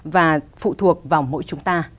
và phụ thuộc vào mỗi chúng ta